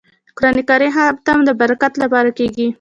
د قران کریم ختم د برکت لپاره کیږي.